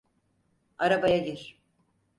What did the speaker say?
Arabaya gir.